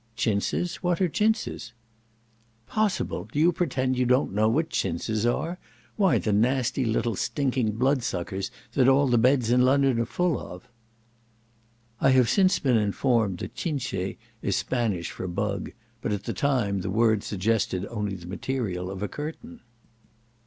"Chintzes? what are chintzes?" "Possible! do you pretend you don't know what chintzes are? Why the nasty little stinking blood suckers that all the beds in London are full of." I have since been informed that chinche is Spanish for bug; but at the time the word suggested only the material of a curtain.